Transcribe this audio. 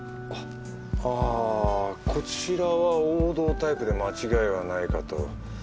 あっあこちらは王道タイプで間違いはないかと。